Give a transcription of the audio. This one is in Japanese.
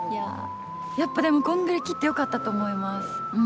やっぱでもこんぐらい切ってよかったと思います。